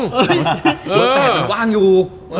เว้นแทนมันกว้างอยู่